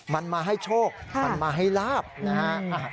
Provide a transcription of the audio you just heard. มันมาให้โชคมันมาให้ลาบนะฮะ